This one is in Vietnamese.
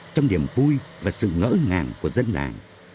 trong niềm vui và sự ngỡ ngàng của dân làng